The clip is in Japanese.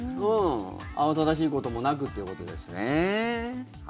慌ただしいこともなくということですね。